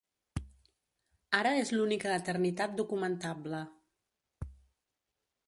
Ara és l'única eternitat documentable.